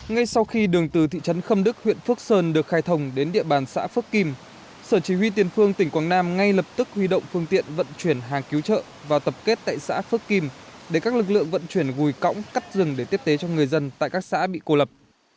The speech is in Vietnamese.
ngay sau khi đường từ thị trấn khâm đức huyện phước sơn được khai thồng đến địa bàn xã phước kim sở chỉ huy tiền phương tỉnh quảng nam ngay lập tức huy động phương tiện vận chuyển hàng cứu trợ và tập kết tại xã phước kim để các lực lượng vận chuyển gùi cõng cắt rừng để tiếp tế cho người dân tại các xã bị cô lập